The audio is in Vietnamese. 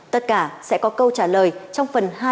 tất cả sẽ có câu trả lời trong phần hai